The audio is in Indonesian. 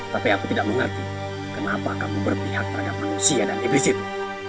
tapi aku tidak mengerti kenapa kamu berpihak terhadap manusia dan iblis itu